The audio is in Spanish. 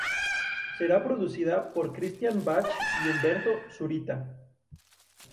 Será producida por Christian Bach y Humberto Zurita.